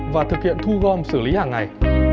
và thực hiện thu gom xử lý hàng ngày